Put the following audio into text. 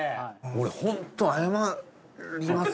俺ホント謝ります。